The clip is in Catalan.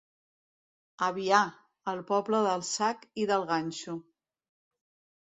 Avià, el poble del sac i del ganxo.